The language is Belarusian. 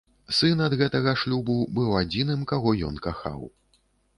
Сын ад гэтага шлюбу быў адзіным, каго ён кахаў.